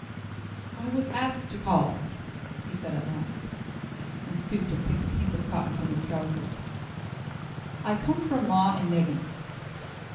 "I was asked to call," he said at last, and stooped and picked a piece of cotton from his trousers. "I come from 'Maw and Meggins.'"